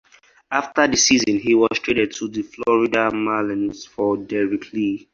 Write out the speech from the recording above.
After the season, he was traded to the Florida Marlins for Derrek Lee.